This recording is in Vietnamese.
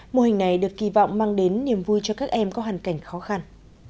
mô hình này được kỳ vọng mang đến niềm vui cho các em có hoàn cảnh khó khăn